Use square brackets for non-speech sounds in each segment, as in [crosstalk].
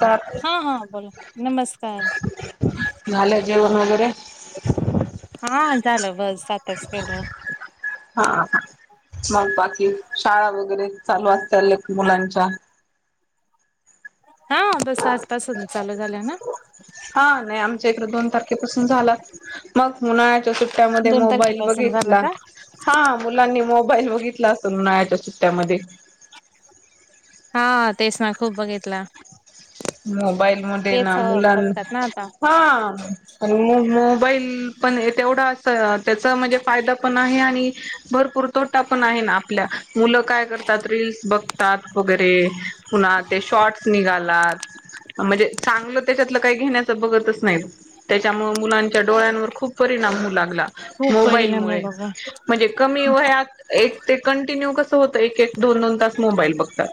तर हा हा बोला नमस्कार झाल जेवण वगेरे? हा झालं बस आताच करलं. हा मग बाकी शाळा वगैरे चालू असतील मुलांच्या? हा बस आसपासून चालू झालं ना. हा नाही आमच्या इकडें दोन तारखेपासून झालात- मग उन्हाळ्याच्या सुट्ट्यामध्ये दोन मोबाईल तारखेपासून झालं बघितला. का हा मुलांनी मोबाईल बघितला असतं ना नळ्याच्या सुुट्ट्यामध्ये. हा तेच ना खूप बघितला. मोबाईल मध्ये तेच ना मुलां बघतात ना आता हा- आणि मोबाईल पण तेवढा अस त्याचा म्हणजे फायदा पण आहे आणि भरपूर- तोटा पण आहे ना आपल्या मुलं काय करतात रीलस बघतात वगैरे- पुन्हा ते शॉर्ट्स निघालात. म्हणजे चांगलं त्याच्यातलं काही घेण्याचं बघतच नाही. त्याच्यामुळे मुलांच्या डोळ्यांवर खूप परिणाम होऊ लागला, खूप परिणाम हो मोबाईलमुळे- बघा म्हणजे कमी वयात एक ते कंटिन्यू कसं होतंय, एक एक दोन दोन तास मोबाईल बघतात.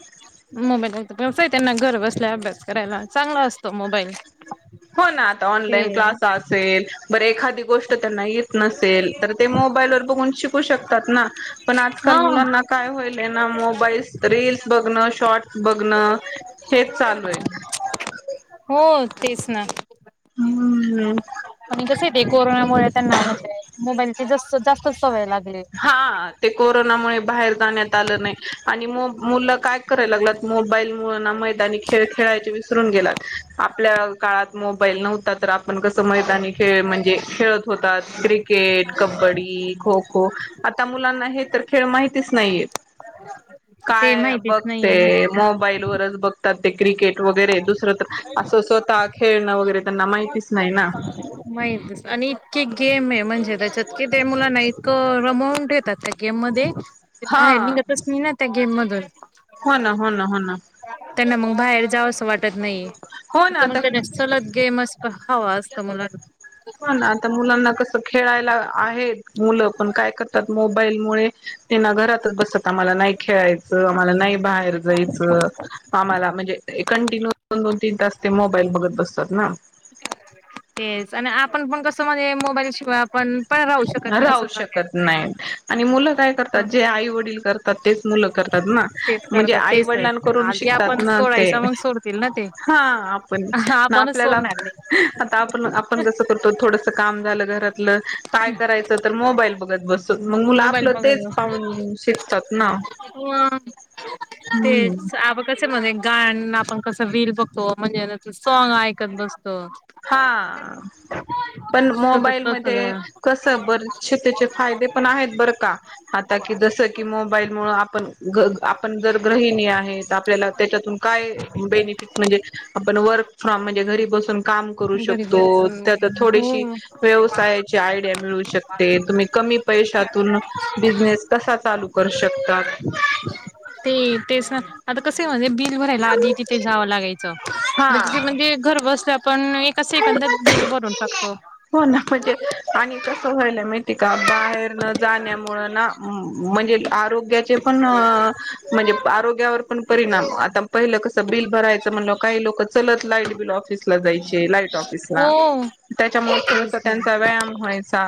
मोबाईलात कळते त्यांना घर बसल्या अभ्यास करायला चांगला असतो मोबाईल. हो ना आता ते ऑनलाईन क्लास असे बर एखाद- ते गोष्ट त्यांना येत नसेल तर ते मोबाईलवर बघुन शिकू- शिकू शकतात ना, पण हा आजकाल मुलांना काय ह्यायलाय ना मोबाईल फक्त- रीलस बघण, शॉर्ट बघण. हो तेच ना. हम्म आणि कसं आहे, ते कोरोनामुळे त्यांना म्हणजे मोबाईलची जास्त जास्तचं सवय लागली आहे. हा ते कोरोनामुळे बाहेर जाण्यात आलं नाही आणि मग मुलं काय करायला लागलात- मोबाईलमूळ ना मैदानी खेळ खेळायचे विसरून गेलात, आपल्या काळात मोबाईल नव्हता तर आपण पण कसं मैदानी खेळ म्हणजे खेळत होतात. क्रिकेट, कबड्डी, खो खो- आता मुलांना हे तर खेळ माहितीचं नाही आहेत. ते काय माहितीच बघ नाहीये ना ते मोबाईलवरचं बघ- त्यात ते क्रिकेट वगैरे दुसरं तर असं स्वतः खेळणं वगैरे त्यांना माहितीच नाही ना. माहितच नाही आणि इतकी गेम आहे म्हणजे त्याच्यात कि ते मुलांना एक अमाऊंट देतात. गेममधे बाहेर हा निघतच नाही ना त्या गेम मधन- हो ना हो ना हो ना. त्यांना मग बाहेर जाव असं वाटत नाही. हो ना आता [inaudible] सलग गेम असतं हवा असतं मुलांना- हो ना आता मुलांना कसं खेळायला आहेत मुलं पण काय करतात मोबाईलमुळे- ते ना घरातच बसतात आम्हाला नाही- खेळायचं आम्हाला नाही बाहेर जायचं आम्हाला म्हणजे हे- कंटिन्यू दोन दोन तीन तास ते मोबाईल बघत बसतात ना. तेच आणि आपण पण कसं म्हणजे मोबाईल शिवाय आपण- पण राहू शकत नाही राहू असं झालंय शकत आता. नाहीत आणि मुलं काय करतात, जे आई वडील करतात. तेच मुलं करतात ना तेच म्हणजे करतात आई तेच वडिलां करून आधी शिकतात आपण ना सोडायच ते- मग सोडतील ना ते. हा आपण मग आपणच आपल्याला- सोडणार नाही आता आपण आपण जसं करतो थोडस काम झालं घरातलं- हम्म करायच तर मोबाईल बघत बसतात मग मुलं मोबाईल आपलं तेच पाहून शिकतात ना. हम्म हम्म तेच आपण कसं म्हणजे गाणं आपण कसं रिल्स बघतो म्हणजे सॉंग ऐकत बसतो. हा पण सतत मोबाईल मध्ये- तसच कसं बरेशे त्याचे फायदे पण आहेत बरं का? आता की जस की मोबाईल मुळे आपण आपण ग जर गृहिणी आहेत, आपल्याला त्याच्यातून- काय बेनफिट म्हणजे आपण वर्क फ्रॉम म्हणजे घरी बसून- काम करू घरी शकतो, त्यात बसून थोडीशी हो व्यवसायाची आयडिया मिळू शकते, तुम्ही कमी- पैशातून बिझनेस कसा चालू करू शकतात. ते तेच ना आता कस म्हणजे बिल भरायला आधी तिथे जाव लागायच, तिथे हा म्हणजे घर बसल्या पण एक- एका सेकंदात बिल भरून टाकतो. हो ना म्हणजे आणि कसं व्हायल माहीती- माहीती का बाहेर न जाण्यामुळे ना म्हणजे आरोग्याचे पण- म्हजे आरोग्यावर पण परिणाम आता पहिलं कसं बिल भरायचं म्हणल्याव काही लोक चलत लाईट बिल ऑफिसला जाईल म्हणजे लाईट ऑफिसला हो त्याच्यामुळ तेच थोडंस ना त्यांचा व्यायाम व्हायचा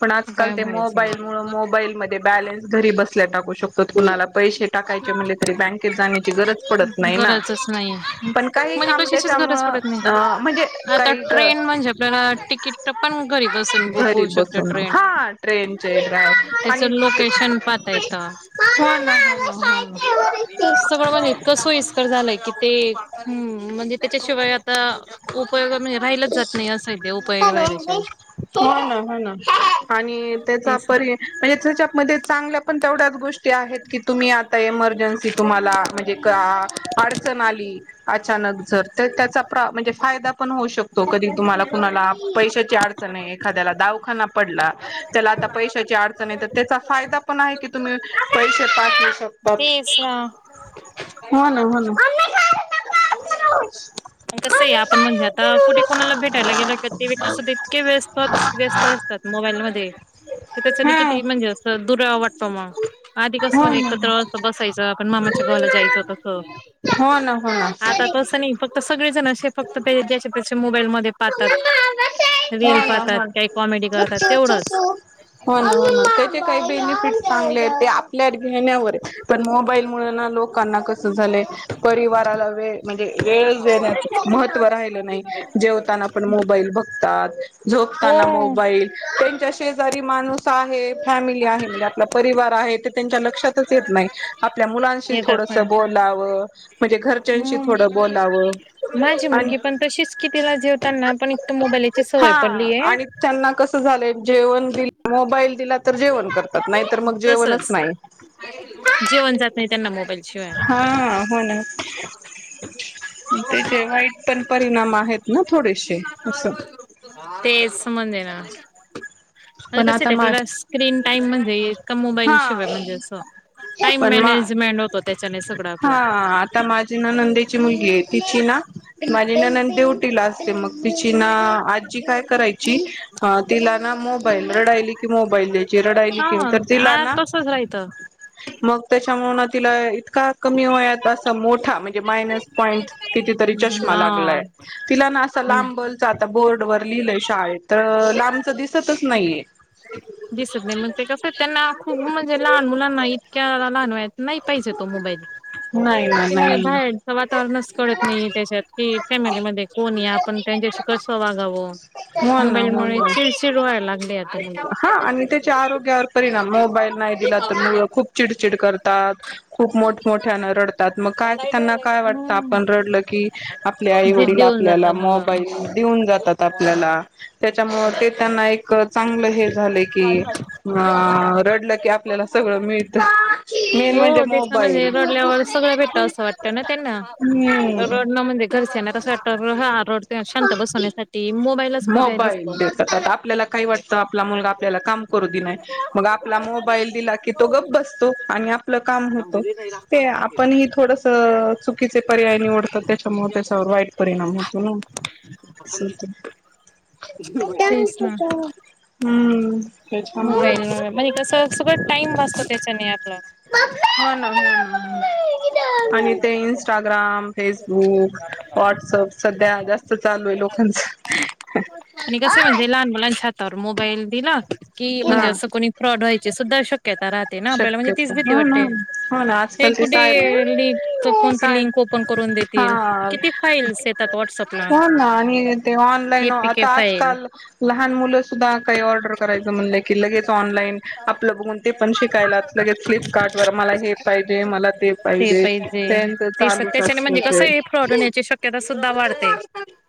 पण आज कल उपाय ते व्हायच मोबाईल मुळ मोबाईल मध्ये बॅलन्स घरी बसल्या टाकू शकतो कुणाला पैसे टाकायचे म्हटले तरी बँकेत जाण्याची गरज पडत नाही ना, गरजच नाही पण काही म्हणजे काम कशाचीच त्याच्यामुळ गरज पडत नाही ह [inaudible] आता ट्रेन म्हणजे आपल्याला तिकीट पण घरी बसून बुक घरी होऊ शकते बसून ट्रेन हा ट्रेनचे त्याचं आणि लोकेशन पाहता येतं. [inaudible] हम् ना [inaudible] सगळं गणित इतकं सोयीस्कर झालंय की ते हम्म म्हणजे त्याच्याशिवाय आता उपयोग म्हणजे राहिलंच जात नाय असय ते उपयोग राहिल्याशिवाय होय ना हो ना आणि त्याचा तेच पर्याय मजे त्याच्यापमध्ये चांगल्या पण तेवढ्याच गोष्टी आहेत कि तुम्ही आता एमर्जन्सी तुम्हाला म्हणजे का अडचण आली अचानक जर तर त्याचा प्रा म्हणजे फायदा पण होऊ शकतो. तो कधी तुम्हाला कुणाला पैशांची अडचण हाय एखाद्याला दावखाना पडला. त्याला आता पैशांची अडचण हाय त्याचा फायदा पण हाय की तुम्ही पैसे पाठवू शकत तेस ना हो ना तसं हाय आपण म्हणजे आता कुठे कुणाला भेटायला गेला का ते व्यक्ती इतके व्यस्तच व्यस्त असतात मोबाईल मध्ये की त्याच्याने हा किती म्हणजे असं दुरावा वाटतो मग आधी हो कसं म्हणजे ना. एकत्र बसायचं पण मामाच्या गावाला जायचं तस हो ना हो आता ना. तसं नाय फक्त सगळेजण असे फक्त ते त्याच्यात्याच्या मोबाईलमध्ये हो पाहतात ना हो रील पाहतात काही कॉमेडी करतात तेवढंच हो ना हो ते काय बेनिफिट चांगले हाय ते आपल्या घेण्यावर पण मोबाईल मुळं ना लोकांना कसं झालंय. परिवाराला वेळ म्हणजे वेळ देण्यात महत्त्व राहिलं नाही. जेवताना पण मोबाईल बघतात झोपताना मोबाईल त्यांच्या शेजारी माणूस आहे फॅमिली आहे म्हणजे आपला परिवार आहे ते त्यांच्या लक्षातच येत नाही आपल्या मुलांशी येतात थोड पण बोलावं म्हणजे घरच्यांशी थोडं बोलावं माझी आणि तशीच की तीला जेवताना पण फक्त मोबाईलची सवय हा पडली आहे आणि त्यांना कसं झालंय जेवण दिल मोबाईल दिला तर जेवण करतात नायतर मग जेवणच तसच नाय जेवण जात नाही त्यांना मोबाईल शिवाय ह होना त्याचे वाईट पण परिणाम आहेत ना थोडेसे असं तेच म्हणजे ना, आणि पण कस य आता ते मा आपल्याला स्क्रीन टाइम म्हणजे इतका मोबाईल शिवाय हा म्हणजे असं, टाइम पण मा मॅनेजमेंट होत. त्याच्याने सगळं आपलं. ती ना नंदेची मुलगी हाय तिची ना, माजी ननंदे तिला असते मग, तिची ना आजी काय करायची, हा तिला ना मोबाईल रडायली की मोबाईल द्यायची रडायली कि तर तिला ना होय त मग त्याच्यामुळं ना तिला इतकाऽ कमी वयात असा मोठा म्हणजे मायनस पॉईंट कितीतरी चष्मा लागलाय. ह तिला ना असं लांबलच आता बोर्डवर लिहिलंय शाळेत तर लांबच दिसतच नाहीये. दिसत नाही मग ते कस त्यांना खूप म्हणजे लहान मुलांना इतक्या लहान वयात. नाही पाहिजे तो मोबाईल. नाही ना नाही ना. वातावरणच कळत नाही त्याच्यात की फॅमिलीमध्ये कोण य आपण त्यांच्याशी कसं वागावं. हो ना हो मोबाईलमुळे ना. चिर चिर वाढते. हा, आणि त्याच्या आरोग्यावर परिणाम मोबाईल नाही दिला तर मुलं खुप. चिडचिड करतात. खूप मोठमोठ्यान रडतात मग काय त्यांना काय वाटतं आपण रडलं की, आपल्या आई वडील जिद्दी आप ''--'' होऊन आपल्याला जाता मुलं. मोबाईल देऊन जातात. तात आपल्याला त्याच्यामुळे ते त्यांना एक चांगलं हे झालेय. कि, अ रडलं की, आपल्याला सगळं मिळत. मेन म्हणजे हो, तेच ना म्हणजे मोबाईल रडल्यावर सगळं भेटतं असं वाटतं ना त्यांना रडन. हम्म म्हणजे घरच्या ना तसं वाटतं बार हा रडतोय शांत बसवण्यासाठी मोबा ''--'' मोबाईल देतात आता आपल्याला काही वाटतं आपला मुलगा आपल्याला काम करू दे नाही. मग आपला मोबाईल दिला की, तो गप बसतो आणि आपलं काम होतं. ते आपण ही थोडसं चुकीचे पर्याय निवडतो त्याच्यामुळे त्याच्यावर वाईट परिणाम होतो. त ना, असं हुतय. तेच ना. हम्म त्याच्यामुळं मोबाईल म्हणजे कस सगळं टाइम वाचतं त्याच्याने आपलं. हो ना, हो ना, व्हॉट्सअप सध्या जास्त चालूय लोकांच. आणि कसे म्हणतील. लहान मुलांच्या हातावर मोबाईल दिला की, म्हणजे असं कोणी फ्रॉड व्हायचे सुद्धा शक्यता राह. ना आपल्याला म्हणजे तीच शक्यता भीती हो ना वाटते हो ना हे आजकाल ते साहेब कुठे लिंक कोणती साहेब लिंक ओपन करून दे. हा तील किती फाईल्स येतात वाट्सअप. हो ना, आणि ते ऑनलाईन के आता फाईल आजकाल लहान मुलं सुद्धा काही ऑर्डर. करायच म्हनलं की लगेच ऑनलाईन आपलं बघून ते पण शिकायलाच लगेच फ्लिपकार्ट वर मला हे. पायजे मला ते पायजे तंच चालूच असत ते. फ्रोड होण्याची शक्यता सुद्धा वाढते.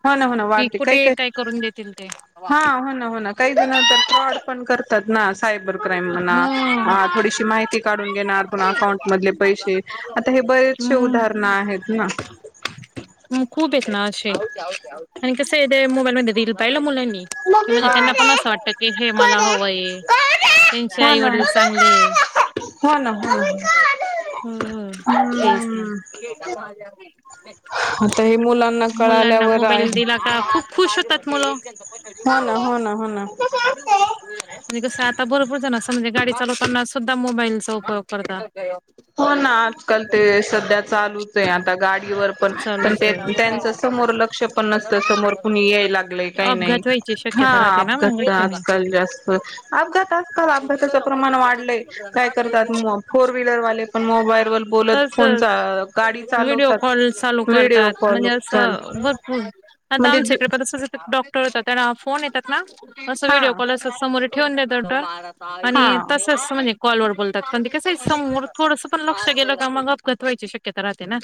हो ना, हो ना कि वाढते, काही कुठे काही, काय करून देतील ते हा हो ना, हो ना, काही जण नंतर फ्रोड. पण करतात ना, सायबर क्राईम म्हणा, हम्म. हा, थोडीशी माहिती काढून घेणार पुना अकाउंट मधले पैसे आता हे बरेच. चशे उदाहरणं आहेत ना. मग खूप आहेत ना अशे, आणि कसं या मोबाईल मध्ये रील पाहिलं मुलांनी, की, म्हणजे हा त्यांना पण असं वाटत की हे मला हवंय त्यांचे हो आई ना वडील चांगले, हो ना, हो ना. हम हम, तेच ना. हम्म आता हे मुलांना कळाल्यावर आहे,, ह खूप खुश होतात मुलं, हो ना, हो ना, हो ना, म्हणजे कसंय आता भरपुर जणं, असं म्हणजे गाडी चालू करताना सुद्धा मोबाईलचा उपयोग करतात. हो ना आजकाल ते सध्या चालूच आहे आता गाडीवर पण पण चालूच ते आहे त्यांच समोर लग. एरुपये पन्नास तर समोर कुणी याय लागलंय काही अपघात नाही व्हायची हा शक्यता राहते ना अपघात तर मग आजकाल जास्त. अपघात आज काल अपघाताचं प्रमाण वाढलंय. काय करतात फोर व्हीलरवाले तसच गाडी व्हडिओ चालवतात. कॉल चालू व्हिडिओ करतात. कॉल म्हणजे चाल असं भरपूर आता म्हणजे आमच्या इकडे डॉक्टर येतात त्यांना फोन येतात ना असं हा व्हिडिओ कॉल समोर ठेऊन देतात हा आणि तसच म्हणजे कॉलवर बोल तात पण ते कसंय समोर थोडस पण लक्ष गेलं का मग अपघात व्हायची शक्यता राहते ना.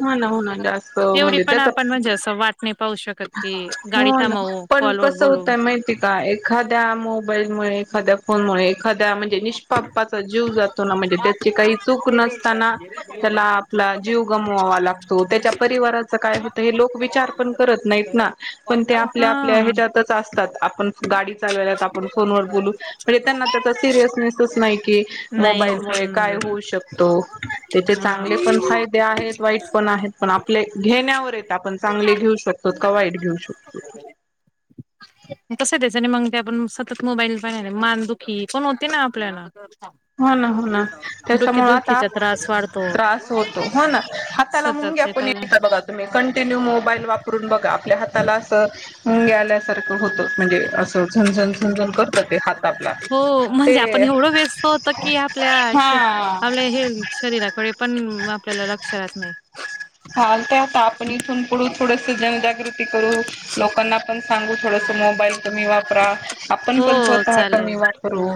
हो ना हो ना जास्त तेवढी म्हणजे पण आपण त्याचा म्हणजे असं वाट नाय पाहू शक क ते गाडी हो ना थांबवू पण कॉल वर कसं बोलू होतय माहिती का एखाद्या मोबाईल मुळे एखाद्या फोन मुळे एखाद्या म्हणजे निष्पापाचा जीव जा तो ना. म्हणजे त्याची काही चूक नसताना त्याला आपला जीव गमवावा लागतो. त्याच्या परिवारा च -काय होतय हे लोक विचार पण करत नायत ना पण ते आपल्या हा आपल्या ह्याज्या तच असतात आपण गाडी चालवल्यात आपण फोनवर बोलू म्हणजे त्यांना त्यांचा सिरीयसनेस तच नाय कि नाही मोबाईल मुळे काय असं होऊ शकतो. त्याचे हा चांगले पण फायदे आहेत वाईट पण आहेत पण आपले घेण्यावर येत आपण चांगले घेऊ शक तोत का वाईट घेऊ शकतो. तस त्याच्याने मग ते आपण सतत मोबाईल पाहिल्याने मान दुखी पण होती ना आपल्याला. हो ना हो ना त्याच्यामुळे आता डोकेदुखीचा त्रास वाढतो. त्रास होतो. हो ना हा ताला सतत मुंग्या ते आपण पहिलं येतात बघा तुम्ही कंटिन्यू मोबाईल वापरून बघा आपल्या हा ताला असं मुंग्या आल्यासारखं होत म्हणजे असं झणझण झंजण कर हो म्हणजे आपण एवढं वेस्त होत कि आपल्या श हा आपल्या हेल्थ शरीराकडे पण आपल्याला लक्ष राहत नाय. चालतय आता आपण इथून पुढ थोडस जनजागृती करू लोकांना पण सांगू थोडस मोबाईल कमी वापरा आपण पण हो स्वतः चालेल कमी वापरू.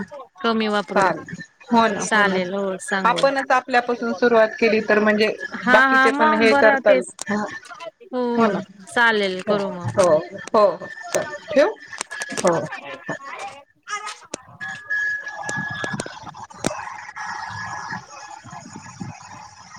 कमी वापरू चालेल हो ना हो ना चालेल सांगू. आपणच आपल्यापासून सुरुवात केली तर म्हणजे हा हा बाकीचे पण मग हे बरं करताल तेच हो हो ना चालेल हो करू हो मग. हो हो चालेल ठेवु? हो. [inaudible]